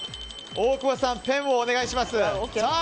大久保さん、ペンをお願いします。